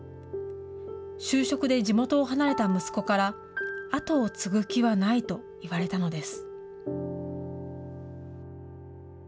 就職で地元を離れた息子から、跡を継ぐ気はないと言われたのです。